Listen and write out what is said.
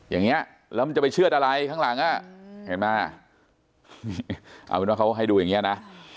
อย่างนี้แล้วมันจะไปเชือดอะไรข้างหลังเอาเป็นว่าเขาให้ดูอย่างนี้นะ